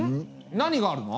何があるの？